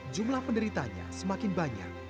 jumlah penderitanya semakin banyak